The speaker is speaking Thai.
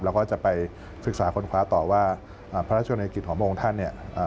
เราก็จะไปศึกษาคนคว้าต่อว่าพระราชนิกิจของพระองค์ท่านเนี่ย